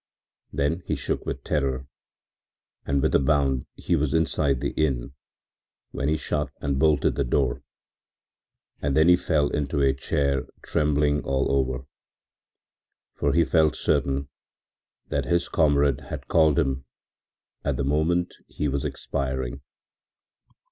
Then he shook with terror and with a bound he was inside the inn, when he shut and bolted the door, and then he fell into a chair trembling all over, for he felt certain that his comrade had called him at the moment he was expiring.